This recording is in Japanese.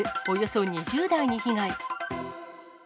およそ２０台に被害。